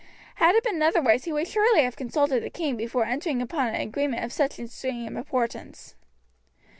Had it been otherwise he would surely have consulted the king before entering upon an agreement of such extreme importance.